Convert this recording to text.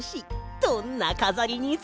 どんなかざりにする？